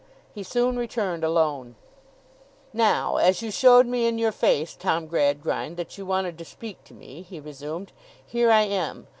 He soon returned alone. 'Now, as you showed me in your face, Tom Gradgrind, that you wanted to speak to me,' he resumed, 'here I am.